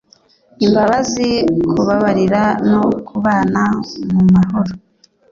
imbabazi kubabarira no kubana mu mahoro